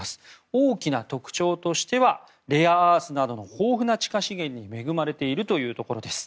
大きな特徴としてはレアアースなどの豊富な地下資源に恵まれているというところです。